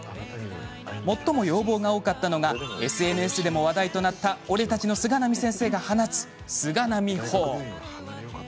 最も要望が多かったのがＳＮＳでも話題となった俺たちの菅波先生が放つ菅波砲。